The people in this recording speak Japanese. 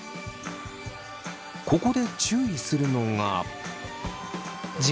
ここで注意するのが。